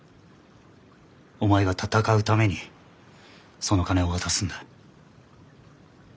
お前が戦うためにその金を渡すんだ。